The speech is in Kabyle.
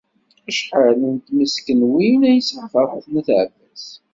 Acḥal n tmeskenwin ay yesɛa Ferḥat n At Ɛebbas?